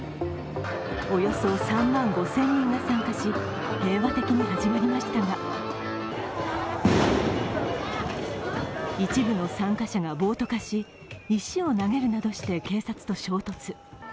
およそ３万５０００人が参加し平和的に始まりましたが一部の参加者が暴徒化し、石を投げるなどして警察と衝突。